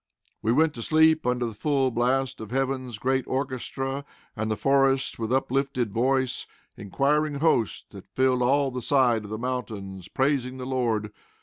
We went to sleep under the full blast of heaven's great orchestra, and the forests with uplifted voice, in choiring hosts that filled all the side of the mountains, praising the Lord.